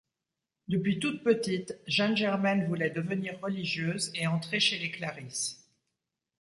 Depuis toute petite, Jeanne Germaine voulait devenir religieuse, et entrer chez les Clarisses.